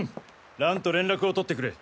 蘭と連絡を取ってくれ。